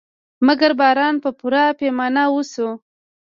مګر باران په پوره پیمانه وشو.